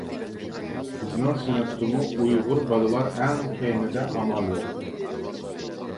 بىزنىڭ سىنىپتىمۇ ئۇيغۇر بالىلار ئەڭ كەينىدە ئامال يوق.